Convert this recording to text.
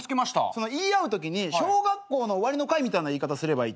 言い合うときに小学校の終わりの会みたいな言い方すればいいと思う。